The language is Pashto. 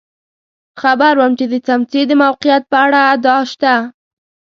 خبر وم چې د څمڅې د موقعیت په اړه ادعا شته.